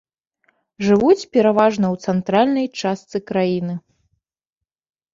Жывуць пераважна ў цэнтральнай частцы краіны.